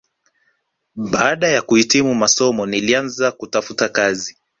Baada ya kuhitimu masomo nilianza kutafuta kazi